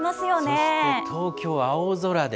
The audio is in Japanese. そして東京、青空で。